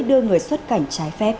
đưa người xuất cảnh trái phép